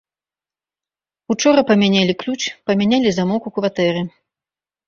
Учора памянялі ключ, памянялі замок у кватэры.